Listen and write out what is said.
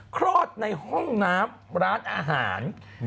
คลอดในห้องน้ำร้านอาหาร